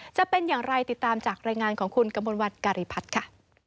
จะเป็นอย่างไรติดตามจากรายงานของคุณกระมวลวันการีพัฒน์ค่ะ